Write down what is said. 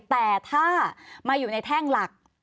แต่ถ้ามาอยู่ในแท่งหลัก